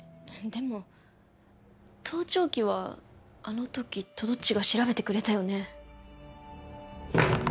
でも盗聴器はあの時とどっちが調べてくれたよね